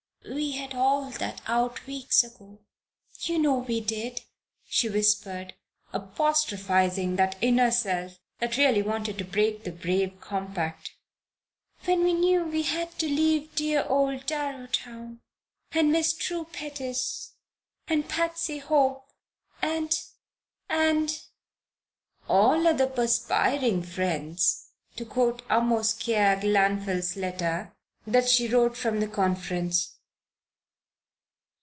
"We had all that out weeks ago, you know we did!" she whispered, apostrophizing that inner self that really wanted to break the brave compact. "When we knew we had to leave dear old Darrowtown, and Miss True Pettis, and Patsy Hope, and and 'all other perspiring friends,' to quote Amoskeag Lanfell's letter that she wrote home from Conference.